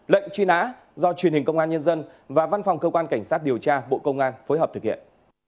lệnh truy nã do truyền hình công an nhân dân và văn phòng cơ quan cảnh sát điều tra bộ công an phối hợp thực hiện